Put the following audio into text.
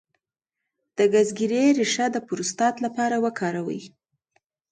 د ګزګیرې ریښه د پروستات لپاره وکاروئ